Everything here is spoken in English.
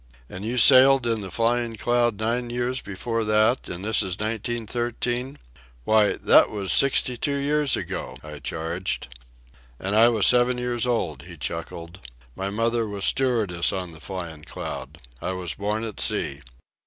"And you sailed in the Flying Cloud nine years before that, and this is 1913—why, that was sixty two years ago," I charged. "And I was seven years old," he chuckled. "My mother was stewardess on the Flyin' Cloud. I was born at sea.